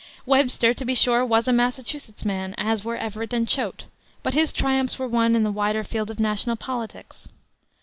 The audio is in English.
Webster, to be sure, was a Massachusetts man as were Everett and Choate but his triumphs were won in the wider field of national politics.